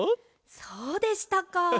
そうでしたか。